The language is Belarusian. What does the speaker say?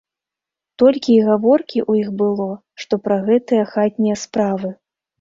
Толькі і гаворкі ў іх было што пра гэтыя хатнія справы.